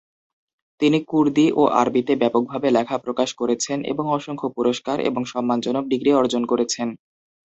তিনি কুর্দি ও আরবিতে ব্যাপকভাবে লেখা প্রকাশ করেছেন এবং অসংখ্য পুরস্কার এবং সম্মানসূচক ডিগ্রি অর্জন করেছেন।